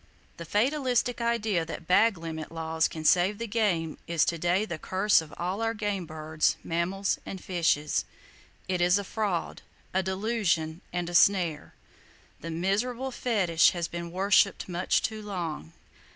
The fatalistic idea that bag limit laws can save the game is to day the curse of all our game birds, mammals and fishes! It is a fraud, a delusion and a snare. That miserable fetish has been worshipped much too long.